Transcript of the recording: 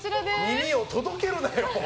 耳を届けるなよ。